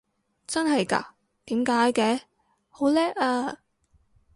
真係嘎？點解嘅？好叻啊！